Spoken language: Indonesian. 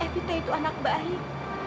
evita itu anak baik